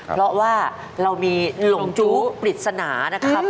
เพราะว่าเรามีหลงจู้ปริศนานะครับ